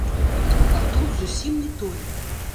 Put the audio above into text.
А тут зусім не тое.